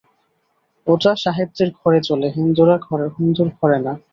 ওটা সাহেবদের ঘরে চলে, হিন্দুর ঘরে না।